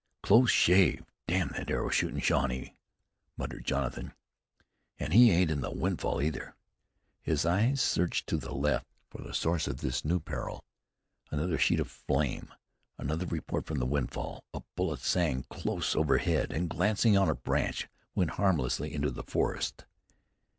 "Close shave! Damn that arrow shootin' Shawnee!" muttered Jonathan. "An' he ain't in that windfall either." His eyes searched to the left for the source of this new peril. Another sheet of flame, another report from the windfall. A bullet sang, close overhead, and, glancing on a branch, went harmlessly into the forest.